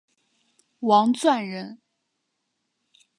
王篆人。